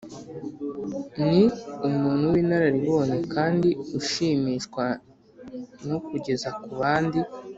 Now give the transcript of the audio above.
ni umuntu w’inararibonye, kandi ushimishwa no kugeza ku bandi